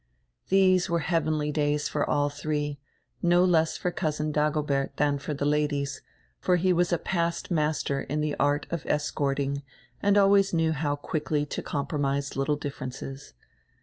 These were heavenly days for all three, no less for Cousin Dagobert dian for die ladies, for he was a past master in die art of escorting and always knew how quickly to com promise littie differences.